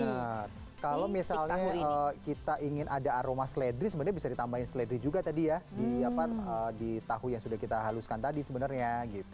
benar kalau misalnya kita ingin ada aroma seledri sebenarnya bisa ditambahin seledri juga tadi ya di tahu yang sudah kita haluskan tadi sebenarnya